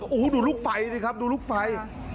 โอ้โหดูลูกไฟสิครับดูลูกไฟ